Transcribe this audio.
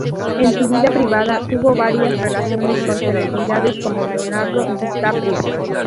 En su vida privada tuvo varias relaciones con celebridades como Leonardo DiCaprio.